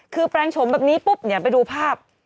คือแปลงโฉมแบบนี้ปุ๊บเดี๋ยวไปดูภาพ